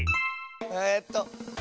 えっとえ